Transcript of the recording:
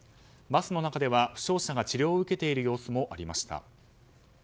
バスの中では負傷者が治療を受けている様子もありました。